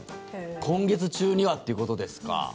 今月中にはということですか。